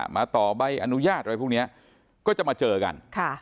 ต่อใบอนุญาตอะไรพวกนี้ก็จะมาเจอกัน